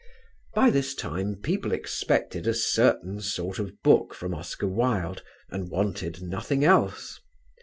By this time people expected a certain sort of book from Oscar Wilde and wanted nothing else.